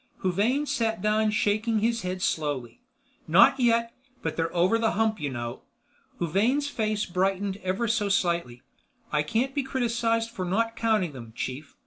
Huvane sat down shaking his head slowly. "Not yet, but they're over the hump, you know." Huvane's face brightened ever so slightly. "I can't be criticized for not counting them, chief.